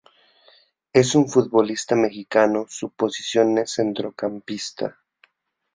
Es un futbolista mexicano su posición es Centrocampista.